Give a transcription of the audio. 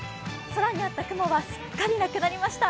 空にあった雲はすっかりなくなりました。